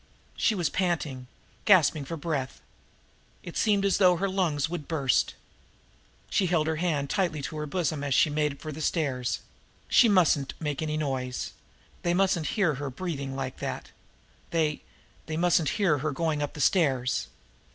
She was panting, gasping for her breath. It seemed as though her lungs would burst. She held her hand tightly to her bosom as she made for the stairs she mustn't make any noise they mustn't hear her breathing like that they they mustn't hear her going up the stairs.